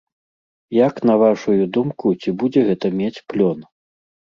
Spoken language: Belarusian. Як на вашую думку, ці будзе гэта мець плён?